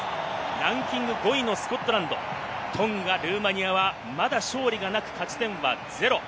ランキング５位のスコットランド、トンガ、ルーマニアはまだ勝利がなく、勝ち点は０。